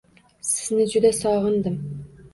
Sizni juda sog’indim